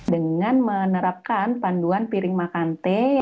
dengan menerapkan panduan piring makan teh